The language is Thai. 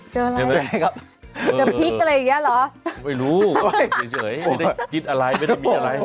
เจออะไรครับเจอพริกอะไรอย่างเงี้ยเหรอไม่รู้เฉยไม่ได้กินอะไรไม่ได้มีอะไร